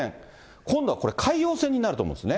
今度はこれ、海洋戦になると思うんですね。